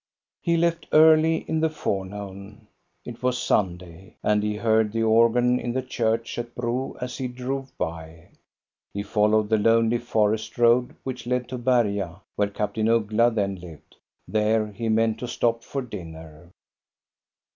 He left early in the forenoon. It was Sunday, and he heard the organ in the church at Bro as he drove by. He followed the lonely forest road which led to Berga, where Captain Uggla then lived There he meant to stop for dinner.